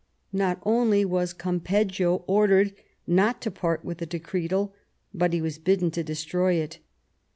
Not only was Campeggio ordered not to part with the decretal, but he was bidden to destroy it.